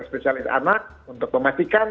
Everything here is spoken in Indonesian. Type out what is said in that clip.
spesialis anak untuk memastikan